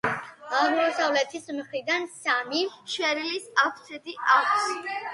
აღმოსავლეთის მხრიდან სამი შვერილი აფსიდი აქვს.